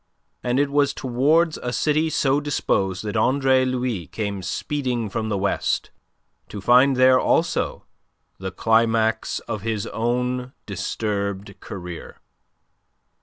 And it was towards a city so disposed that Andre Louis came speeding from the West, to find there also the climax of his own disturbed career.